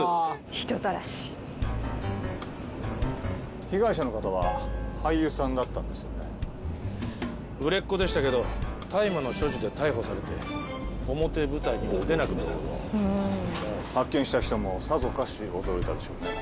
人たらし被害者の方は俳優さんだったんですよね売れっ子でしたけど大麻の所持で逮捕されて表舞台には出なくなったんです発見した人もさぞかし驚いたでしょうね